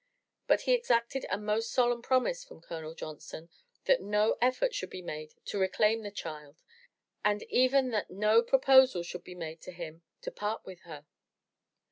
But he exacted a most solemn promise from Colonel Johnson that no effort should be made to reclaim the child and even that no proposal should be made to him to part with her.